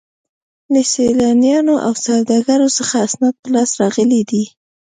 له سیلانیانو او سوداګرو څخه اسناد په لاس راغلي دي.